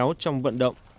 lâu léo trong vận động